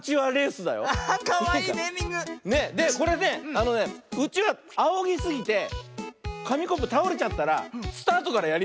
あのねうちわあおぎすぎてかみコップたおれちゃったらスタートからやりなおしね。